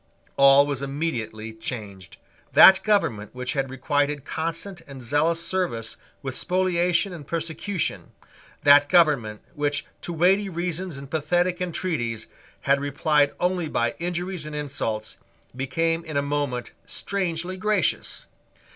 All was immediately changed. That government which had requited constant and zealous service with spoliation and persecution, that government which to weighty reasons and pathetic intreaties had replied only by injuries, and insults, became in a moment strangely gracious.